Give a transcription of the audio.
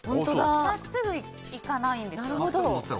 真っすぐ行かないんですよ。